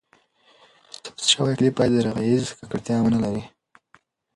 ثبت شوی کلیپ باید ږغیزه ککړتیا ونه لري.